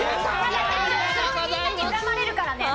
みんなに恨まれるからね。